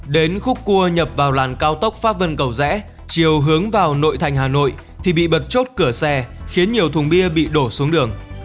đến khúc cua nhập vào làn cao tốc pháp vân cầu rẽ chiều hướng vào nội thành hà nội thì bị bật chốt cửa xe khiến nhiều thùng bia bị đổ xuống đường